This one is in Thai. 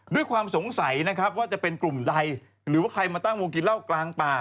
ด้วยความสงสัยนะครับว่าจะเป็นกลุ่มใดหรือว่าใครมาตั้งวงกินเหล้ากลางป่า